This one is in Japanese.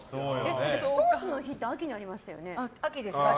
スポーツの日って秋にありましたよね。